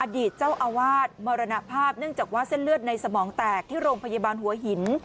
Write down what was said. เจ้าอาวาสมรณภาพเนื่องจากว่าเส้นเลือดในสมองแตกที่โรงพยาบาลหัวหิน